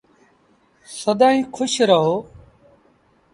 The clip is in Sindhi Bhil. سدائيٚݩ کُش رهو۔